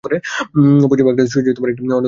পশ্চিম আফ্রিকায় সুজি একটি অন্যতম প্রধান খাদ্য।